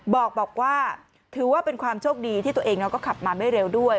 บอกว่าถือว่าเป็นความโชคดีที่ตัวเองก็ขับมาไม่เร็วด้วย